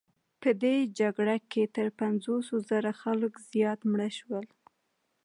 په دې جګړو کې تر پنځوس زره خلکو زیات مړه شول.